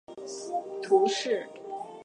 弗朗赛人口变化图示